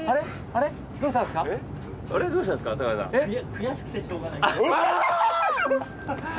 悔しくてしょうがないですって！